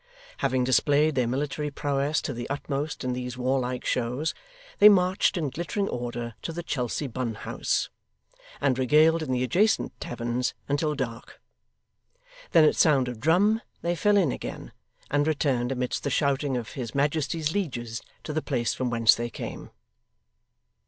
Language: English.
Having displayed their military prowess to the utmost in these warlike shows, they marched in glittering order to the Chelsea Bun House, and regaled in the adjacent taverns until dark. Then at sound of drum they fell in again, and returned amidst the shouting of His Majesty's lieges to the place from whence they came.